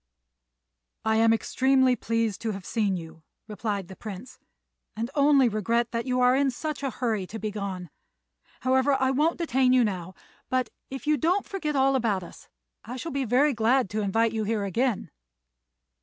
"I am extremely pleased to have seen you," replied the Prince, "and only regret that you are in such a hurry to be gone. However, I won't detain you now; but, if you don't forget all about us, I shall be very glad to invite you here again."